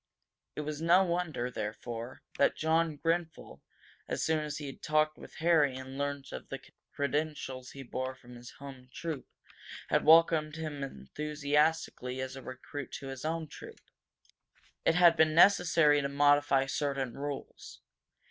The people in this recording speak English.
It was no wonder, therefore, that John Grenfel, as soon as he had talked with Harry and learned of the credentials he bore from his home troop, had welcomed him enthusiastically as a recruit to his own troop. It had been necessary to modify certain rules.